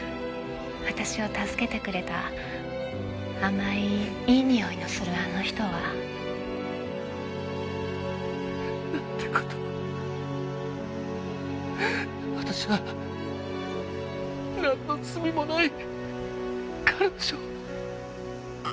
私を助けてくれた甘いいいにおいのするあの人は。なんて事を私はなんの罪もない彼女を！